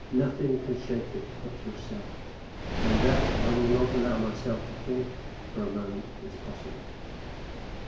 Nothing can shake it, but yourself; and that, I will not allow myself to think, for a moment, is possible.